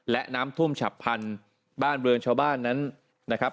และน้ำท่วมฉับพันธุ์บ้านเรือนชาวบ้านนั้นนะครับ